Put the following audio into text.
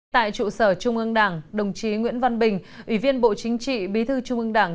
tại trụ sở trung ương đảng đồng chí nguyễn văn bình ủy viên bộ chính trị bí thư trung ương đảng